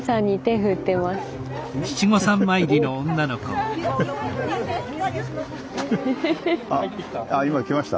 入ってきた。